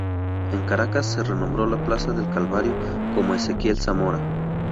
En Caracas, se renombró la plaza del Calvario como Ezequiel Zamora.